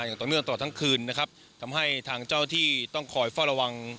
อย่างต่อเนื่องตลอดทั้งคืนนะครับทำให้ทางเจ้าที่ต้องคอยเฝ้าระวัง